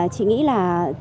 chị nghĩ là